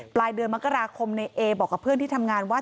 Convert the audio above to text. ปลายเดือนมกราคมในเอบอกกับเพื่อนที่ทำงานว่า